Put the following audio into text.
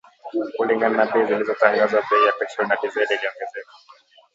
Kulingana na bei zilizotangazwa bei ya petroli na dizeli iliongezeka